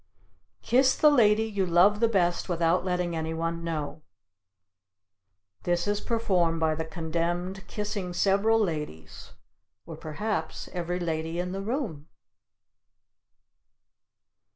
Kiss the Lady you Love the best without letting any one know. This is performed by the condemned kissing several ladies, or perhaps every lady in the room.